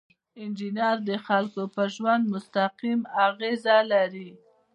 انجینر د خلکو په ژوند مستقیمه اغیزه لري.